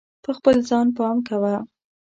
په خپل ځان پام کوه.